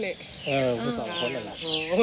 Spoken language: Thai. อือผู้สองคนเหลอะ